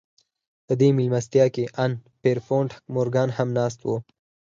په دې مېلمستیا کې ان پیرپونټ مورګان هم ناست و